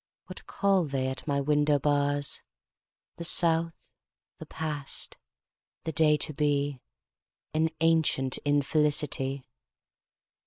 What call they at my window bars? The South, the past, the day to be, An ancient infelicity.